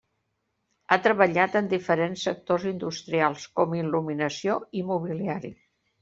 Ha treballat en diferents sectors industrials com il·luminació i mobiliari.